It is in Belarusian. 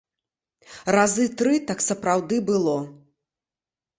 Разы тры так сапраўды было.